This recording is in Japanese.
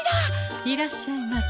いらっしゃいませ。